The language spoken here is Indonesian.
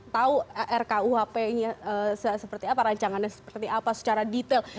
tahu rkuhp nya seperti apa rancangannya seperti apa secara detail